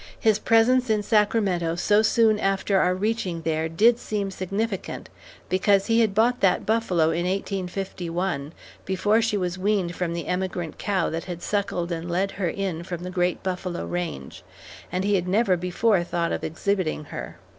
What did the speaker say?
His presence in Sacramento so soon after our reaching there did seem significant, because he had bought that buffalo in 1851, before she was weaned from the emigrant cow that had suckled and led her in from the great buffalo range, and he had never before thought of exhibiting her.